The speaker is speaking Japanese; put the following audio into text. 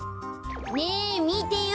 ねえみてよ